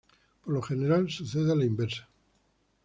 Por lo general, sucede a la inversa.